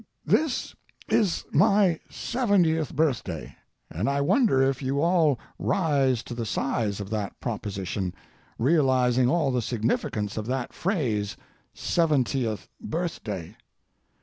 This is my seventieth birthday, and I wonder if you all rise to the size of that proposition, realizing all the significance of that phrase, seventieth birthday.